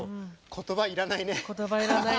言葉いらないね。